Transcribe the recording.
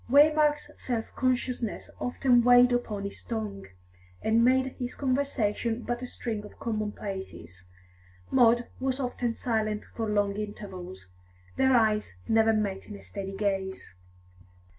Waymark's self consciousness often weighed upon his tongue, and made his conversation but a string of commonplaces; Maud was often silent for long intervals. Their eyes never met in a steady gaze.